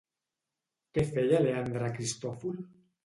Què feia Leandre Cristòfol?